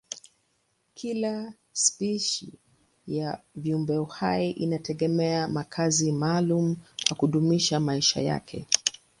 Kila spishi ya viumbehai inategemea makazi maalumu kwa kudumisha maisha yake.